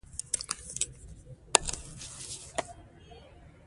د پښتو ادب پلار خوشحال بابا یاد سوى.